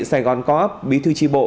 sài gòn co op bí thư tri bộ